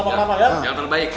jangan terlalu baik